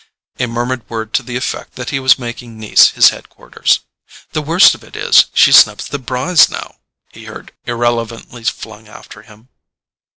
—a murmured word to the effect that he was making Nice his head quarters. "The worst of it is, she snubs the Brys now," he heard irrelevantly flung after him.